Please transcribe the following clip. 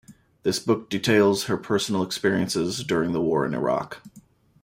This book details her personal experiences during the war in Iraq.